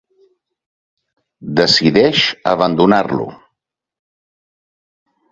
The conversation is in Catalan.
Decideix abandonar-lo.